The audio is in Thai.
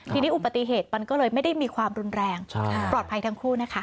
ทีนี้อุปติเหตุมันก็เลยไม่ได้มีความรุนแรงปลอดภัยทั้งคู่นะคะ